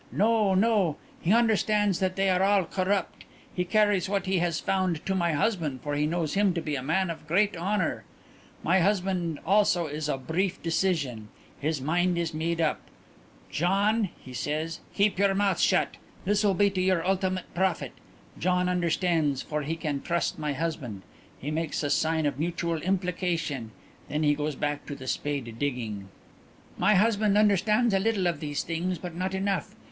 No, no; he understands that they are all corrupt. He carries what he has found to my husband for he knows him to be a man of great honour. "My husband also is of brief decision. His mind is made up. 'Gian,' he says, 'keep your mouth shut. This will be to your ultimate profit.' Gian understands, for he can trust my husband. He makes a sign of mutual implication. Then he goes back to the spade digging. "My husband understands a little of these things but not enough.